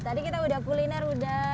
tadi kita udah kuliner udah